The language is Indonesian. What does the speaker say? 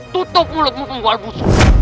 tutup mulutmu pembual busur